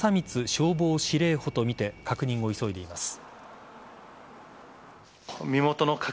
消防司令補とみて確認を急いでいます。